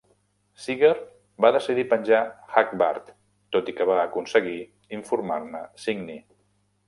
Sigar va decidir penjar Hagbard, tot i que va aconseguir informar-ne Signy.